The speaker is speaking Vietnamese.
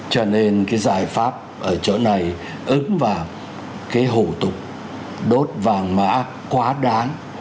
cho nên cái giải pháp ở chỗ này ứng vào cái hủ tục đốt vàng mã quá đáng